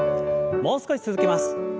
もう少し続けます。